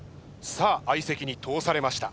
さあ相席に通されました。